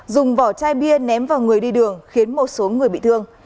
dùng vỏ chai bia ném vào người đi đường khiến một số người bị thương